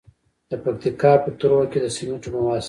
د پکتیکا په تروو کې د سمنټو مواد شته.